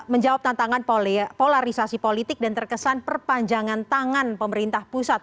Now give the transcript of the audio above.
menjawab tantangan polarisasi politik dan terkesan perpanjangan tangan pemerintah pusat